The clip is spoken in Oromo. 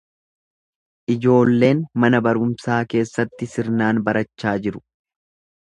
Ijoolleen mana barumsaa keessatti sirnaan barachaa jiru.